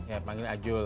ya panggilnya ajul